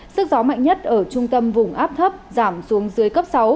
sức gió mạnh nhất ở trung tâm vùng áp thấp giảm xuống dưới cấp sáu